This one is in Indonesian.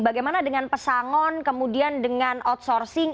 bagaimana dengan pesangon kemudian dengan outsourcing